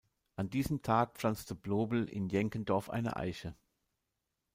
An diesem Tag pflanzte Blobel in Jänkendorf eine Eiche.